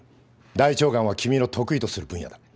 大腸がんは君の得意とする分野だ。